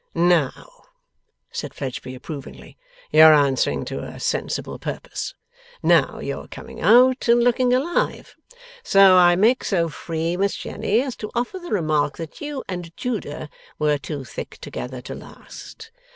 'Now,' said Fledgeby approvingly, 'you're answering to a sensible purpose. Now, you're coming out and looking alive! So I make so free, Miss Jenny, as to offer the remark, that you and Judah were too thick together to last.